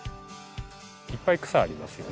いっぱい草ありますよね。